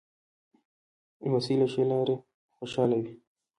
لمسی له ښې لاره خوشحاله وي.